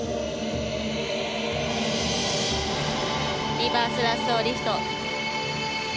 リバースラッソーリフト。